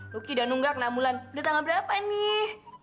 luki udah nunggak namulan udah tanggal berapa nih